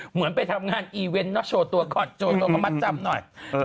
เหมือนไปทำงานอีเวนต์โชว์ตัวก่อนโชว์ตัวก็มัดจำหน่อย